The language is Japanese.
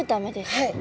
はい。